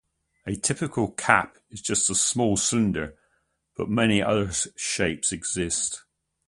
A typical "cap" is just a small cylinder but many other shapes exists.